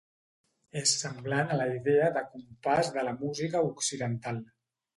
És semblant a la idea de compàs de la música occidental.